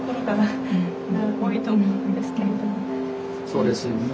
そうですよね。